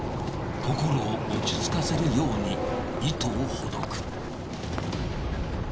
心を落ち着かせるように糸をほどく。